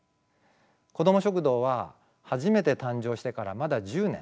こども食堂は初めて誕生してからまだ１０年。